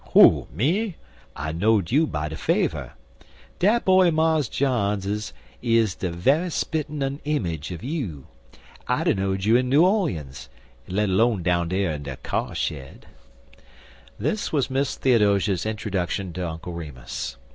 "Who? Me! I know'd you by de faver. Dat boy er Mars John's is de ve'y spit en immij un you. I'd a know'd you in New 'Leens, let lone down dar in de kyar shed." This was Miss Theodosia's introduction to Uncle Remus.